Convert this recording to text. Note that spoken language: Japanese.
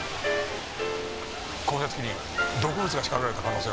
降雪機に毒物が仕掛けられた可能性があります。